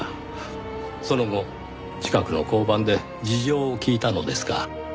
その後近くの交番で事情を聴いたのですが。